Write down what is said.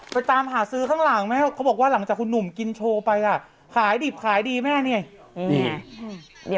ตามหาซื้อข้างหลังแม่เขาบอกว่าหลังจากคุณหนุ่มกินโชว์ไปอ่ะขายดิบขายดีแม่นี่